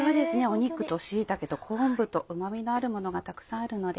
肉と椎茸と昆布とうま味のあるものがたくさんあるので。